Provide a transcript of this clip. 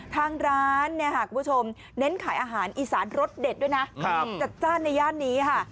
ทางร้านเนี่ยค่ะคุณผู้ชมเน้นขายอาหารอีสานรสเด็ดด้วยนะจัดจ้านในย่านนี้ค่ะ